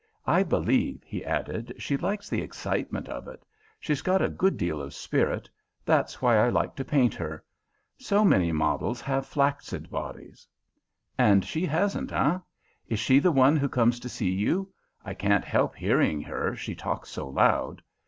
"I believe," he added, "she likes the excitement of it. She's got a good deal of spirit. That's why I like to paint her. So many models have flaccid bodies." "And she hasn't, eh? Is she the one who comes to see you? I can't help hearing her, she talks so loud."